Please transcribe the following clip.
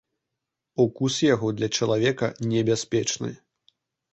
Укус яго для чалавека небяспечны.